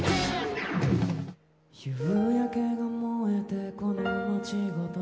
「夕焼けが燃えてこの街ごと」